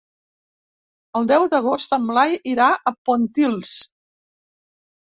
El deu d'agost en Blai irà a Pontils.